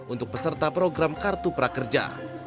untuk peserta program kartu prakerja